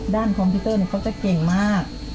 คอมพิวเตอร์เขาจะเก่งมาก